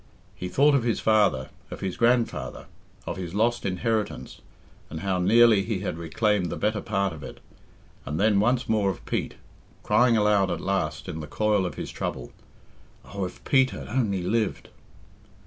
He thought of his father, of his grandfather, of his lost inheritance, and how nearly he had reclaimed the better part of it, and then once more of Pete, crying aloud at last in the coil of his trouble, "Oh, if Pete had only lived!"